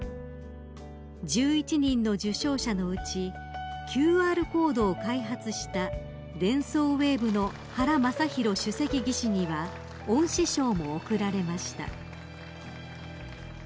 ［１１人の受賞者のうちＱＲコードを開発したデンソーウェーブの原昌宏主席技師には恩賜賞も贈られました］